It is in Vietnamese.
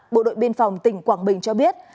bộ đội biên phòng tỉnh quảng bình cho biết